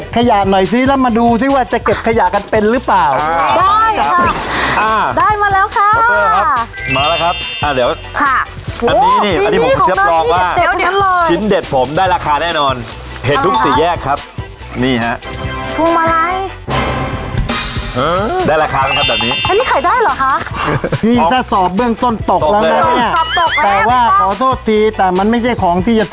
แกก็เดินทางเลยค่ะ